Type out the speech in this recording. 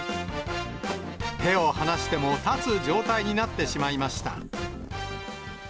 手を離しても立つ状態になってしまいました。